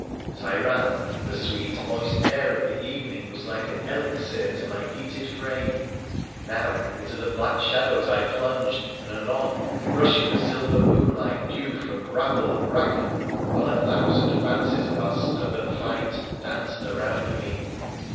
As I ran, the sweet, moist air of the evening was like an elixir to my heated frame ; now into the black shadows I plunged,, and anon brushing the silver moonlight dew frc m 60 WONDERFUL ADVENTURES OF bramble and bracken, while a thousand fancies of our stubborn fight danced around me.